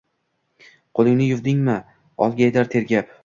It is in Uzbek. “Qo’lingni yuvdingmi?” – olgaydir tergab